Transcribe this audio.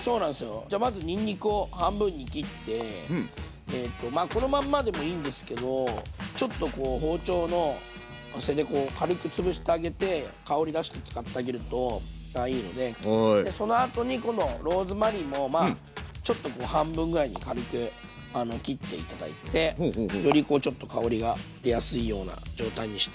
じゃまずにんにくを半分に切ってえとまあこのまんまでもいいんですけどちょっとこう包丁の背で軽くつぶしてあげて香り出して使ってあげるといいのでそのあとに今度ローズマリーもまあちょっと半分ぐらいに軽く切って頂いてよりこうちょっと香りが出やすいような状態にして。